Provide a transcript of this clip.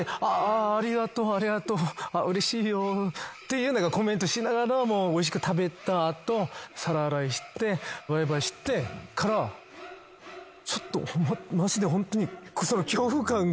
で「ありがとううれしいよ」ってコメントしながらもおいしく食べた後皿洗いしてバイバイしてからちょっとマジでホントに。